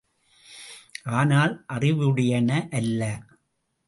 ஆனால், அறிவுடையன அல்ல.